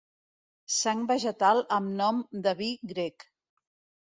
Sang vegetal amb nom de vi grec.